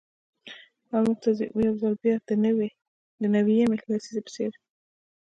او مـوږ تـه يـو ځـل بـيا د نـوي يمـې لسـيزې پـه څـېر.